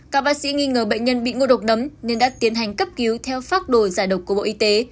các bác sĩ nghi ngờ bệnh nhân bị ngộ độc nấm nên đã tiến hành cấp cứu theo phác đồ giải độc của bộ y tế